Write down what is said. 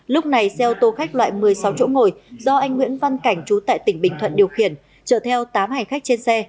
lúc này xe ô tô khách loại một mươi sáu chỗ ngồi do anh nguyễn văn cảnh trú tại tỉnh bình thuận điều khiển chở theo tám hành khách trên xe